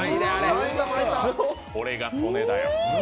これが曽根だよ